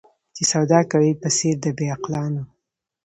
چي سودا کوې په څېر د بې عقلانو